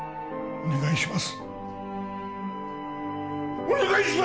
お願いします！